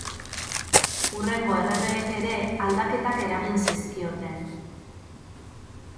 Hurrengo erregeek ere aldaketak eragin zizkioten.